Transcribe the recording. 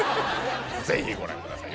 ぜひご覧ください